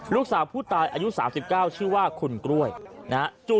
ลูกสาวผู้ตายอายุ๓๙ชื่อว่าคุณกล้วยนะฮะ